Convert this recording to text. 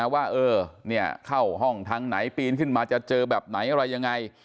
ว่าเข้าห้องทางไหนปีนขึ้นมาจะเจอแบบไหนอะไรยังไง